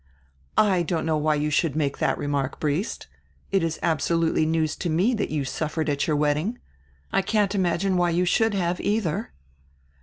"I don't know why you should make that remark, Briest. It is absolutely news to me that you suffered at your wedding. I can't imagine why you should have, either."